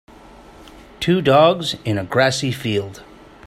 Two dogs in a grassy field.